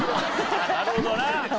なるほどな。